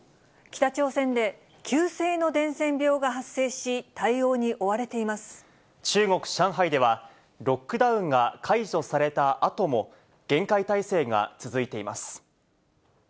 北朝鮮で、急性の伝染病が発生し、中国・上海では、ロックダウンが解除されたあとも、厳戒態勢が続いています。